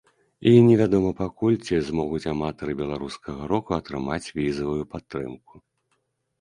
І не вядома пакуль, ці змогуць аматары беларускага року атрымаць візавую падтрымку.